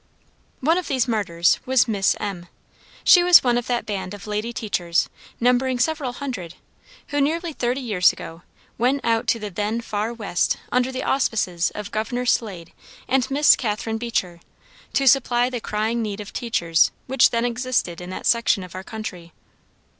One of these martyrs was Miss M. She was one of that band of lady teachers, numbering several hundred who, nearly thirty years ago, went out to the then far west under the auspices of Governor Slade and Miss Catharine Beecher, to supply the crying need of teachers which then existed in that section of our country.